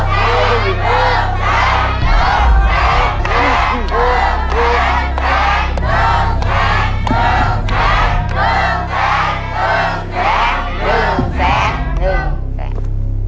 ถูกแข็งถูกแข็งถูกแข็งถูกแข็ง